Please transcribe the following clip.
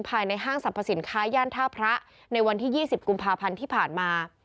ห้างสรรพสินค้าย่านท่าพระในวันที่๒๐กุมภาพันธ์ที่ผ่านมา